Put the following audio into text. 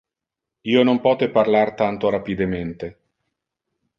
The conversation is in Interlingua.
Io non pote parlar tanto rapidemente.